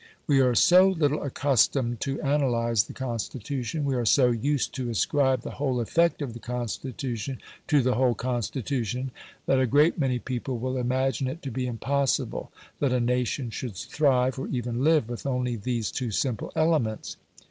We are so little accustomed to analyse the Constitution; we are so used to ascribe the whole effect of the Constitution to the whole Constitution, that a great many people will imagine it to be impossible that a nation should thrive or even live with only these two simple elements.